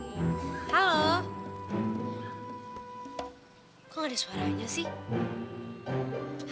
kok nggak ada suaranya sih